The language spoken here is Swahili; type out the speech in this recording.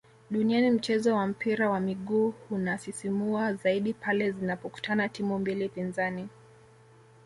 duniani mchezo wa mpira wa miguu hunasisimua zaidi pale zinapokutana timu mbili pinzani